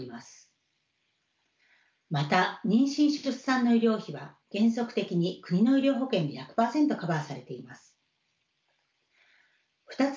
また妊娠出産の医療費は原則的に国の医療保険で１００％カバーされています。